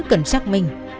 cần xác minh